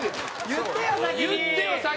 言ってよ先に！